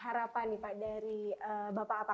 harapan nih pak dari bapak apa